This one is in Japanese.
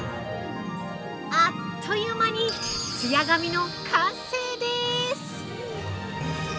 ◆あっという間にツヤ髪の完成でーす！